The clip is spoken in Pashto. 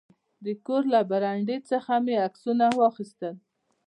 د کور له برنډې څخه مې عکسونه واخیستل.